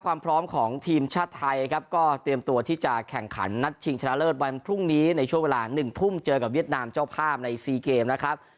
ความพร้อมของทีมชาติไทยครับก็เตรียมตัวที่จะแข่งขันนัดชิงชนะเลิศวันพรุ่งนี้ในช่วงเวลาหนึ่งทุ่มเจอกับเวียดนามเจ้าภาพใน๔เกมนะครับ